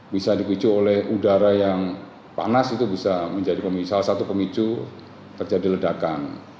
bisa dipicu oleh udara yang panas itu bisa menjadi salah satu pemicu terjadi ledakan